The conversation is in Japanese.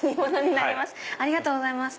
ありがとうございます。